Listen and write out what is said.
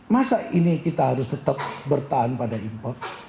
masa ini kita harus tetap bertahan pada import